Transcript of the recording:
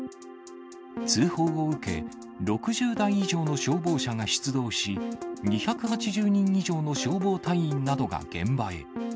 通報を受け、６０台以上の消防車が出動し、２８０人以上の消防隊員などが現場へ。